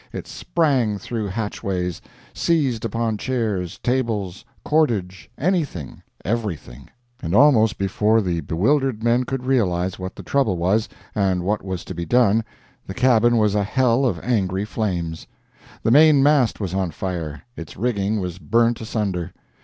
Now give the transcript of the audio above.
It sprang through hatchways, seized upon chairs, table, cordage, anything, everything—and almost before the bewildered men could realize what the trouble was and what was to be done the cabin was a hell of angry flames. The mainmast was on fire—its rigging was burnt asunder!